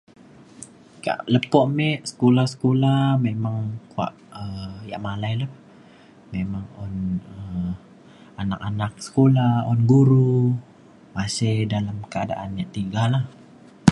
kak lepo me sekula sekula memang kuak um yak malai le memang un um anak anak sekula un guru masih dalam keadaan yak tiga lah